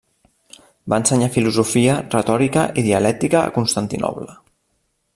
Va ensenyar filosofia, retòrica i dialèctica a Constantinoble.